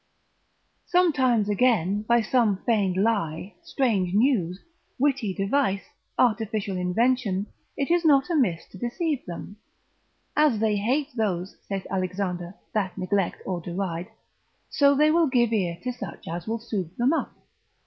Sometimes again by some feigned lie, strange news, witty device, artificial invention, it is not amiss to deceive them. As they hate those, saith Alexander, that neglect or deride, so they will give ear to such as will soothe them up.